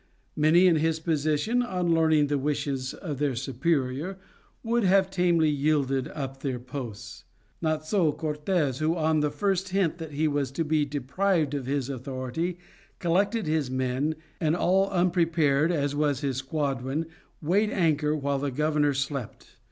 Many in his position on learning the wishes of their superior would have tamely yielded up their posts. Not so Cortes, who on the first hint that he was to be deprived of his authority, collected his men, and all unprepared as was his squadron, weighed anchor while the governor slept.